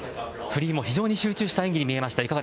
フリーも非常に集中した演技に見えました。